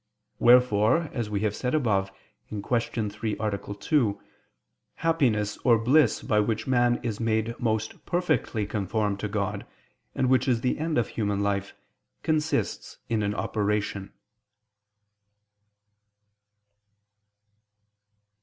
Wherefore, as we have said above (Q. 3, A. 2), happiness or bliss by which man is made most perfectly conformed to God, and which is the end of human life, consists in an operation.